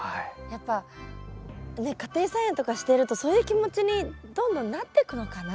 やっぱねっ家庭菜園とかしてるとそういう気持ちにどんどんなってくのかな？